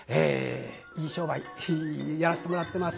いい商売やらせてもらってます。